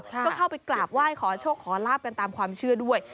ก็เข้าไปกราบไหว้ขอโชคขอลาบกันตามความเชื่อด้วย